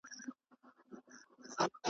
زه به ولي هر پرهار ته په سینه کي خوږېدلای .